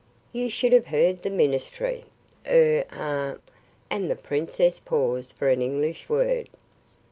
You should have heard the ministry er ah " and the princess paused for an English word.